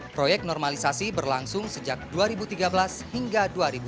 proyek normalisasi berlangsung sejak dua ribu tiga belas hingga dua ribu dua puluh